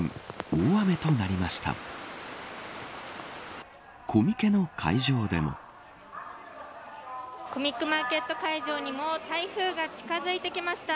大雨となりました。